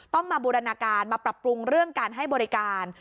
ต้องมาบูรณาการมาปรับปรุงเรื่องการให้บริการ